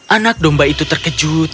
anak domba itu terkejut